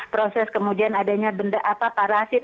proses kemudian adanya benda apa parasit